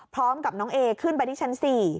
พร้อมกับน้องเอขึ้นไปที่ชั้น๔